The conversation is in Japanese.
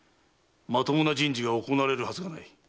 まともな人事が行われるはずがない。